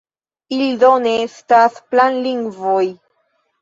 Ili do ne estas "planlingvoj".